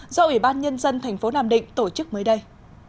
do ủy ban nhân dân tp nam định tổ chức mới đây